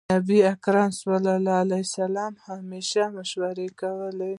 نبي کريم ص به همېش مشوره کوله.